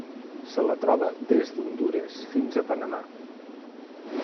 Se la troba des d'Hondures fins a Panamà.